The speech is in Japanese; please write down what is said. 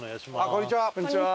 こんにちは。